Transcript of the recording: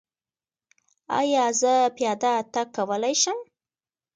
ایا زه پیاده تګ کولی شم؟